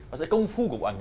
và sự công phu của bộ ảnh